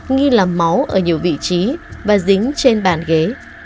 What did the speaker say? nghi làm máu ở nhiều vị trí và dính trên bàn ghế